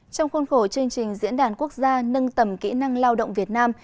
trong khuôn khổ chương trình diễn đàn quốc gia nâng tầm kỹ năng lao động việt nam